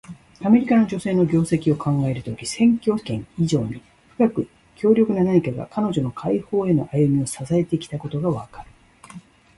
アメリカの女性の業績を考えるとき、選挙権以上に深く強力な何かが、彼女の解放への歩みを支えてきたことがわかる。